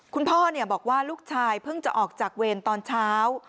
คุณพ่อบอกว่าลูกชายเพิ่งจะออกจากเวรตอนเช้า